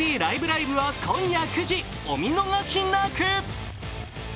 ライブ！」は今夜９時、お見逃しなく！